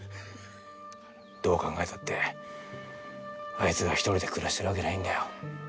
どう考えたってあいつが１人で暮らしてるわけないんだよ。